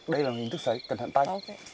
đây là hình thức xoáy cẩn thận tay